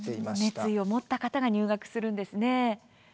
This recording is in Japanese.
熱意を持った方が入学するんですね。